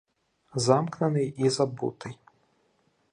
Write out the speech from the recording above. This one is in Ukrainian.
Замкнений і забутий.